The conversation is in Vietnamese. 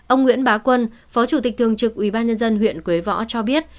ông nguyễn bá quân phó chủ tịch thường trực ubnd huyện quế võ cho biết